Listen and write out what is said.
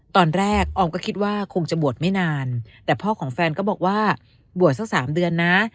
ตอนแรกออมก็คิดว่าคงจะบวชไม่นานแต่พ่อของแฟนก็บอกว่าบวชสักสามเดือนนะ